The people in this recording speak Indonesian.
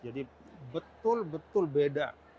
jadi betul betul beda